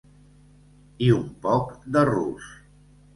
I un poc de rus.